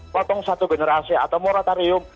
potong satu generasi atau moratorium